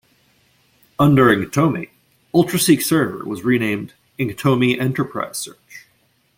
Under Inktomi, Ultraseek Server was renamed "Inktomi Enterprise Search".